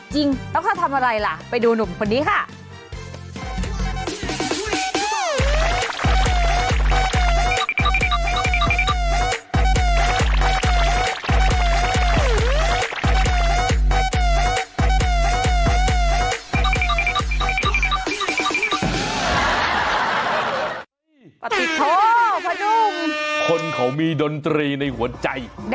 จริงแล้วเขาทำอะไรล่ะไปดูหนุ่มคนนี้ค่ะ